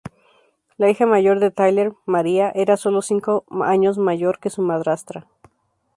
La hija mayor de Tyler, María, era solo cinco años mayor que su madrastra.